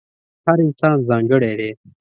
هر انسان ځانګړی دی.